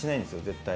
絶対。